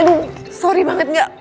aduh sorry banget gak